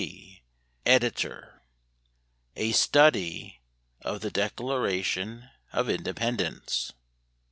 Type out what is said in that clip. D., Editor. A STUDY OF THE DECLARATION OF INDEPENDENCE.